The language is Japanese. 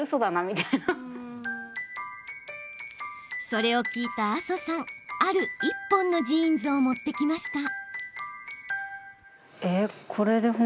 それを聞いた阿曽さんある１本のジーンズを持ってきました。